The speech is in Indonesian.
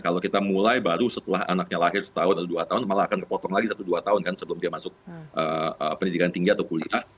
kalau kita mulai baru setelah anaknya lahir setahun atau dua tahun malah akan kepotong lagi satu dua tahun kan sebelum dia masuk pendidikan tinggi atau kuliah